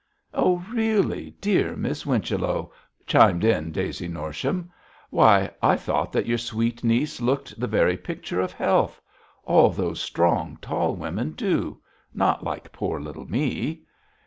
'Oh, really, dear Miss Winchello,' chimed in Daisy Norsham. 'Why, I thought that your sweet niece looked the very picture of health. All those strong, tall women do; not like poor little me.'